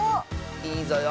いいぞよ。